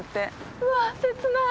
うわっ切ない。